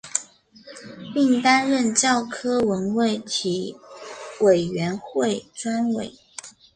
并担任教科文卫体委员会专委。